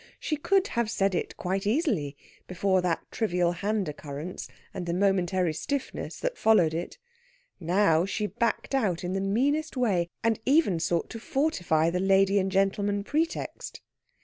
She could have said it quite easily before that trivial hand occurrence, and the momentary stiffness that followed it. Now she backed out in the meanest way, and even sought to fortify the lady and gentleman pretext.